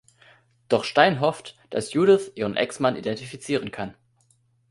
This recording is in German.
Doch Stein hofft, dass Judith ihren Ex-Mann identifizieren kann.